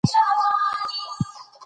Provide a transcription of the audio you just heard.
يوهغه دي، چې د ښځې د جسم لپاره کارېدلي دي